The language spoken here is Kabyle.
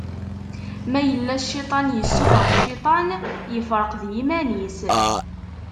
Ma yella Cciṭan yessufeɣ Cciṭan, ifreq d yiman-is.